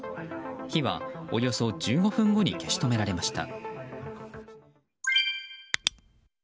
火はおよそ１５分後に消し止められました。